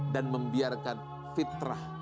dan membiarkan fitrah